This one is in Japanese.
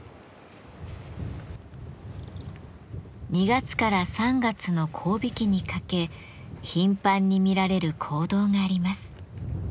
２月から３月の交尾期にかけ頻繁に見られる行動があります。